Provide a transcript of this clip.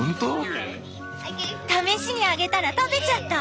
試しにあげたら食べちゃった！